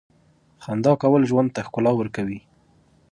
• خندا کول ژوند ته ښکلا ورکوي.